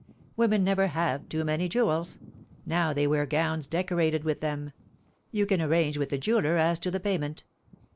Women never have too many jewels, now they wear gowns decorated with them. You can arrange with the jeweller as to the payment."